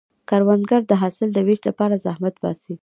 کروندګر د حاصل د ویش لپاره زحمت باسي